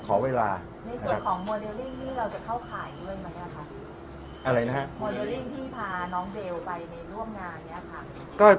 มอเดลิ่งนี้เราจะเข้าข่ายด้วยไหมล่ะครับอะไรนะฮะมอเดลิ่งที่พาน้องเดลไปในร่วมงานเนี้ยค่ะ